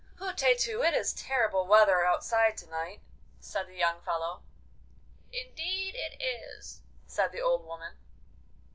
'Hutetu! it is terrible weather outside to night,' said the young fellow. 'Indeed it is,' said the old woman.